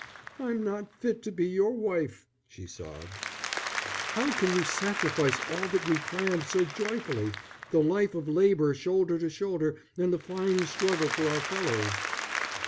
"I'm not fit to be your wife," she sobbed. "How can you sacrifice all that we planned so joyfully, the life of labour shoulder to shoulder and the fine struggle for our fellows?"